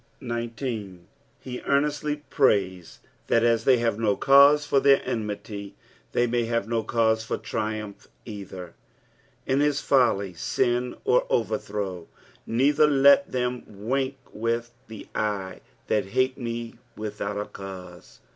10. He caTneatl; praja that hs the; have no cause for tfaeir enmit;, thej may have no cnuso for triumph either iu his folly, sin, or oveithrow. " Neither lei them icinh with the eye tnat iiale me without a cauie.'"